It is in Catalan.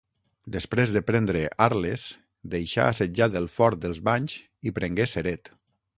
Després de prendre Arles, deixà assetjat el Fort dels Banys i prengué Ceret.